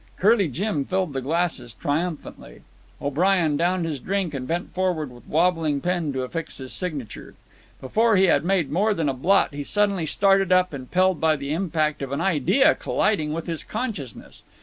Curly Jim filled the glasses triumphantly. O'Brien downed his drink and bent forward with wobbling pen to affix his signature. Before he had made more than a blot, he suddenly started up, impelled by the impact of an idea colliding with his consciousness.